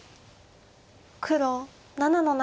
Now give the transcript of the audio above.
黒７の七。